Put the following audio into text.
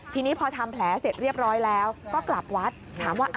ทีนี้พอทำแผลเสร็จเรียบร้อยแล้วก็กลับวัดถามว่า